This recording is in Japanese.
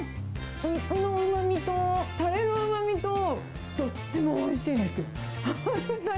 肉のうまみとたれのうまみと、どっちもおいしいんですよ、本当に。